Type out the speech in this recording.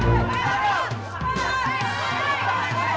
tepuk tangan tepuk tangan